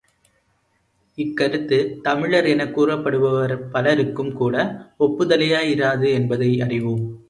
இக் கருத்து தமிழர் எனக் கூறப்படுபவர் பலருக்கும்கூட ஒப்புதலையாய் இராது என்பதை அறிவோம்.